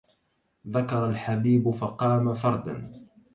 ذكر الحبيب فقام فردا